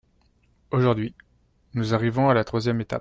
Aujourd’hui, nous arrivons à la troisième étape.